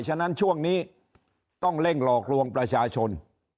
ฉะนั้นช่วงนี้ต้องเร่งหลอกลวงประชาชน